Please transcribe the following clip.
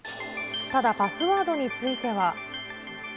ただ、パスワードについては。